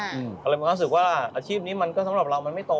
ก็เลยมีความรู้สึกว่าอาชีพนี้มันก็สำหรับเรามันไม่โต